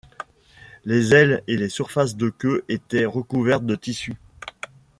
Les ailes et les surfaces de queue étaient recouvertes de tissu.